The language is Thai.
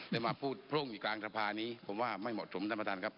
ได้มาพูดพร่งอยู่กลางสภานี้ผมว่าไม่เหมาะสมท่านประธานครับ